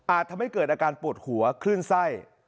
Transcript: ทำให้เกิดอาการปวดหัวคลื่นไส้